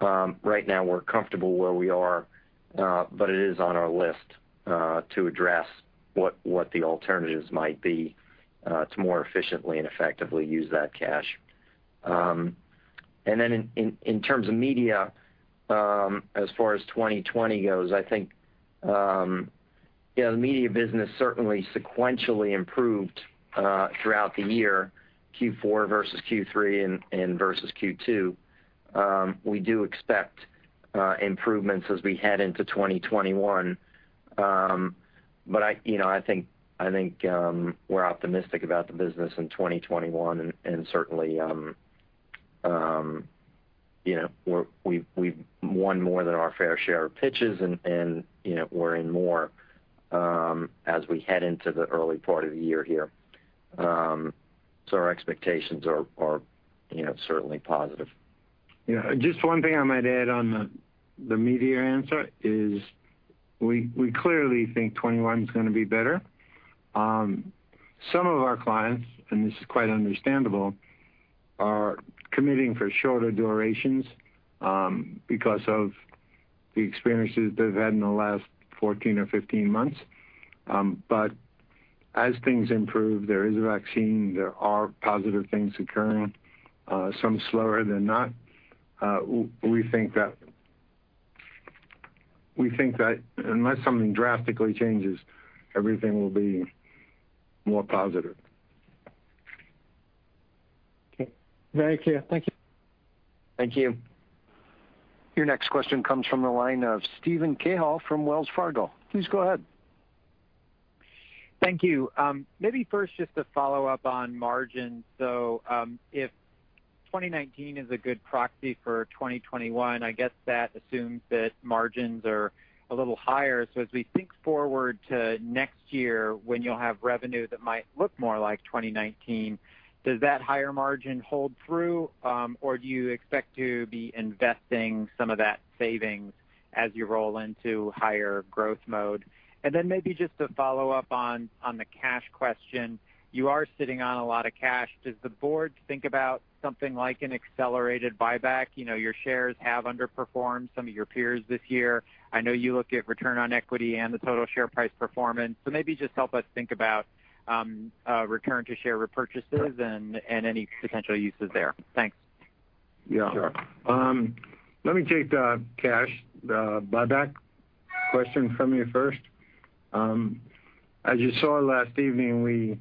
Right now, we're comfortable where we are, but it is on our list to address what the alternatives might be to more efficiently and effectively use that cash, and then in terms of media, as far as 2020 goes, I think the media business certainly sequentially improved throughout the year, Q4 versus Q3 and versus Q2. We do expect improvements as we head into 2021, but I think we're optimistic about the business in 2021, and certainly, we've won more than our fair share of pitches, and we're in more as we head into the early part of the year here, so our expectations are certainly positive. Yeah. Just one thing I might add on the media answer is we clearly think 2021 is going to be better. Some of our clients, and this is quite understandable, are committing for shorter durations because of the experiences they've had in the last 14 or 15 months. But as things improve, there is a vaccine. There are positive things occurring, some slower than not. We think that unless something drastically changes, everything will be more positive. Okay. Very clear. Thank you. Thank you. Your next question comes from the line of Steven Cahall from Wells Fargo. Please go ahead. Thank you. Maybe first, just to follow up on margins. So if 2019 is a good proxy for 2021, I guess that assumes that margins are a little higher. So as we think forward to next year, when you'll have revenue that might look more like 2019, does that higher margin hold true, or do you expect to be investing some of that savings as you roll into higher growth mode? And then maybe just to follow up on the cash question, you are sitting on a lot of cash. Does the Board think about something like an accelerated buyback? Your shares have underperformed some of your peers this year. I know you look at return on equity and the total share price performance. So maybe just help us think about share repurchases and any potential uses there. Thanks. Yeah. Let me take the cash buyback question from you first. As you saw last evening,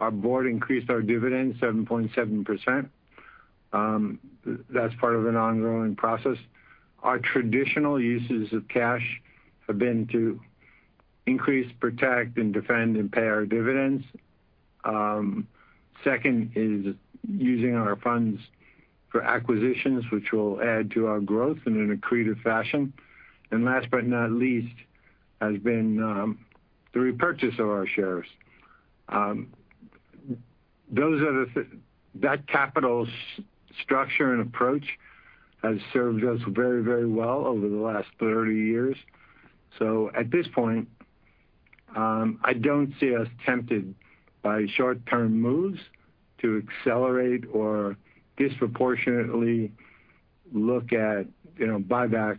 our Board increased our dividend 7.7%. That's part of an ongoing process. Our traditional uses of cash have been to increase, protect, and defend, and pay our dividends. Second is using our funds for acquisitions, which will add to our growth in an accretive fashion, and last but not least has been the repurchase of our shares. That capital structure and approach has served us very, very well over the last 30 years, so at this point, I don't see us tempted by short-term moves to accelerate or disproportionately look at buybacks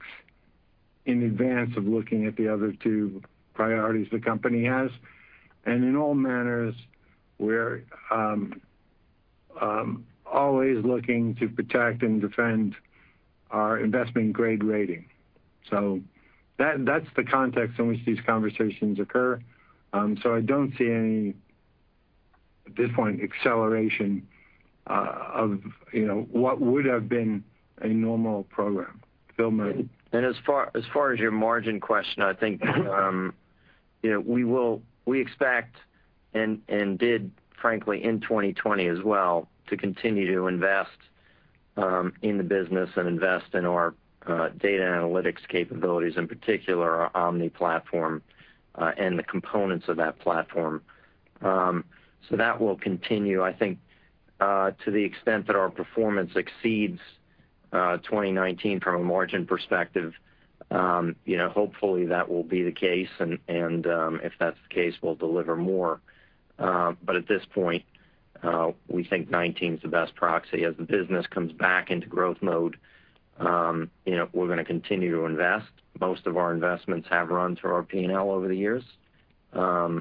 in advance of looking at the other two priorities the company has, and in all manners, we're always looking to protect and defend our investment-grade rating, so that's the context in which these conversations occur. So I don't see any, at this point, acceleration of what would have been a normal program. Phil? As far as your margin question, I think we expect and did, frankly, in 2020 as well, to continue to invest in the business and invest in our data analytics capabilities, in particular, our Omni platform and the components of that platform. That will continue, I think, to the extent that our performance exceeds 2019 from a margin perspective. Hopefully, that will be the case, and if that's the case, we'll deliver more. At this point, we think 2019 is the best proxy. As the business comes back into growth mode, we're going to continue to invest. Most of our investments have run through our P&L over the years. I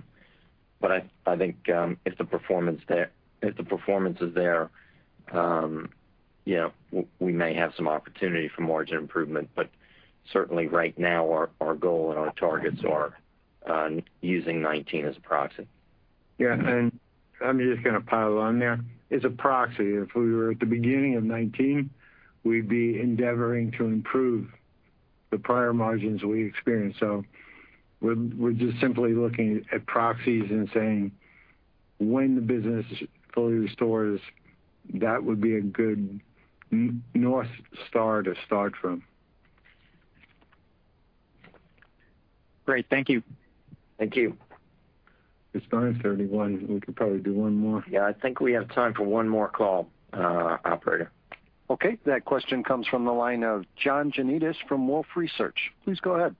think if the performance is there, we may have some opportunity for margin improvement. Certainly, right now, our goal and our targets are using 2019 as a proxy. Yeah. And I'm just going to pile on there. As a proxy, if we were at the beginning of 2019, we'd be endeavoring to improve the prior margins we experienced. So we're just simply looking at proxies and saying, when the business fully restores, that would be a good North Star to start from. Great. Thank you. Thank you. It's 9:31 A.M. We could probably do one more. Yeah. I think we have time for one more call, Operator. Okay. That question comes from the line of John Janedis from Wolfe Research. Please go ahead.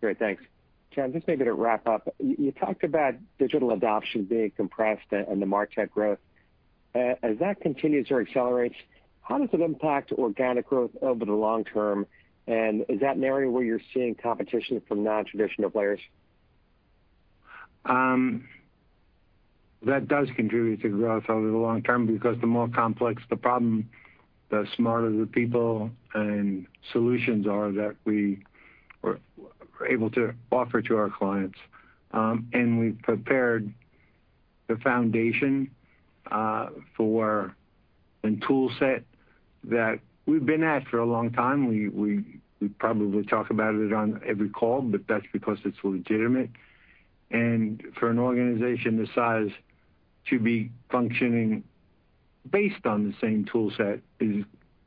Great. Thanks. John, just maybe to wrap up, you talked about digital adoption being compressed and the market growth. As that continues or accelerates, how does it impact organic growth over the long term? And is that an area where you're seeing competition from non-traditional players? That does contribute to growth over the long term because the more complex the problem, the smarter the people and solutions are that we are able to offer to our clients. And we've prepared the foundation for a toolset that we've been at for a long time. We probably talk about it on every call, but that's because it's legitimate. And for an organization the size to be functioning based on the same toolset is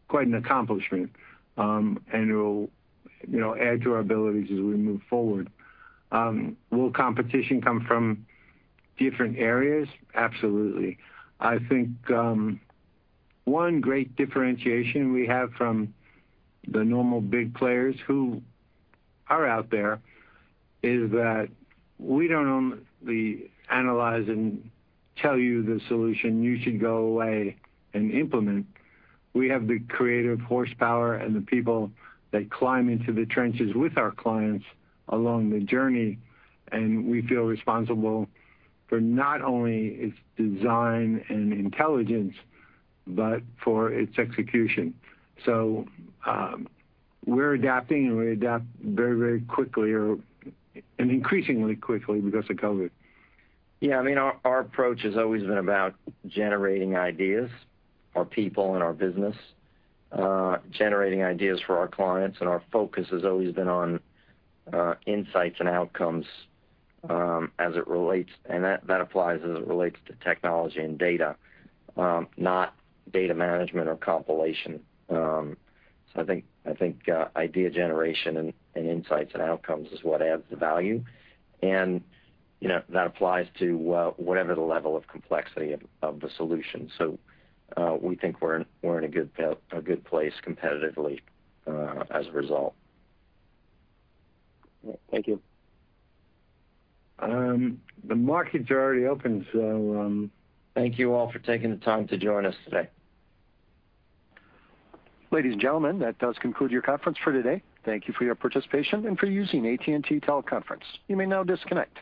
quite an accomplishment, and it will add to our abilities as we move forward. Will competition come from different areas? Absolutely. I think one great differentiation we have from the normal big players who are out there is that we don't only analyze and tell you the solution you should go away and implement. We have the creative horsepower and the people that climb into the trenches with our clients along the journey, and we feel responsible for not only its design and intelligence, but for its execution. So we're adapting, and we adapt very, very quickly and increasingly quickly because of COVID. Yeah, I mean, our approach has always been about generating ideas for people in our business, generating ideas for our clients, and our focus has always been on insights and outcomes as it relates, and that applies as it relates to technology and data, not data management or compilation, so I think idea generation and insights and outcomes is what adds the value, and that applies to whatever the level of complexity of the solution, so we think we're in a good place competitively as a result. Thank you. The market's already open, so. Thank you all for taking the time to join us today. Ladies and gentlemen, that does conclude your conference for today. Thank you for your participation and for using AT&T Teleconference. You may now disconnect.